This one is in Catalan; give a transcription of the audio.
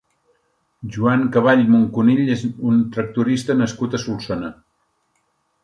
Luz Broto és una artista nascuda a Barcelona.